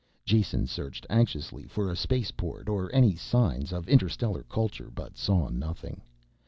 Jason searched anxiously for a spaceport or any signs of interstellar culture but saw nothing.